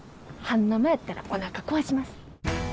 半生やったらおなか壊します。